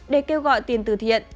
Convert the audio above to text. để kêu gọi tiền từ thiện